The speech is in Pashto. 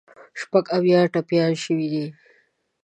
شپږ اویا ټپیان شوي دي.